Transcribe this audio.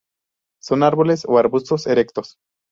Son árboles o arbustos erectos.